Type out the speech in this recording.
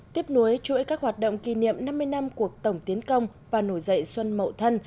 tiếp nối chuỗi các hoạt động kỷ niệm năm mươi năm cuộc tổng tiến công và nổi dậy xuân mậu thân